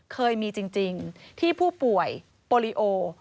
เคยมีจริงที่ผู้ป่วยโปรลิโอ